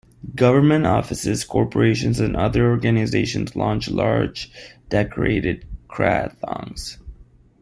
Government offices, corporations, and other organizations launch large decorated krathongs.